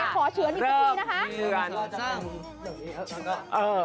โอเคขอเฉือนอีกทีนะคะ